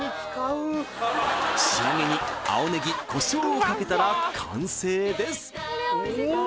仕上げに青ねぎコショウをかけたら完成です